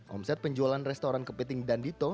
omset penjualan restoran kepiting dan dito